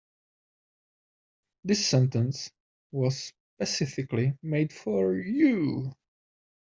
This sentence was specifically made for you.